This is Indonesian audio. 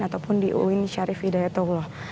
ataupun di uin syarif hidayatullah